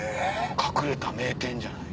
隠れた名店じゃない？